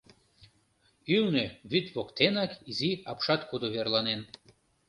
Ӱлнӧ, вӱд воктенак изи апшаткудо верланен.